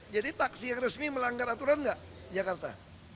jadi taksi yang resmi melanggar aturan nggak di jakarta